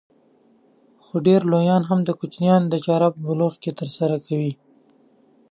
خو ډېر لويان هم د کوچنيانو دا چاره په بلوغ کې ترسره کوي.